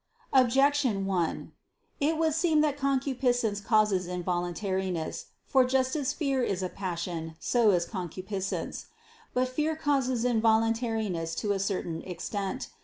Objection 1: It would seem that concupiscence causes involuntariness. For just as fear is a passion, so is concupiscence. But fear causes involuntariness to a certain extent.